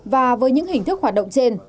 và với những hình thức hoạt động trên